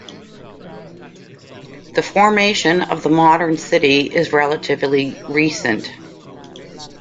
The formation of the modern city is relatively recent.